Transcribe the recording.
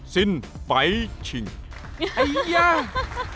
สิ้นไฟชิง